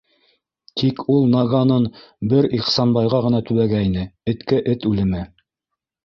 Тик ул наганын бер Ихсанбайға ғына төбәгәйне: эткә эт үлеме.